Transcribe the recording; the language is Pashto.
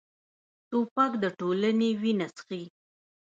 توپک د ټولنې وینه څښي.